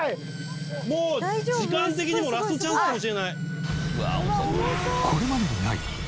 もう時間的にもラストチャンスかもしれない。